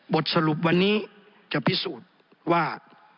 บทสรุปวันนี้จะพิสูจน์ว่า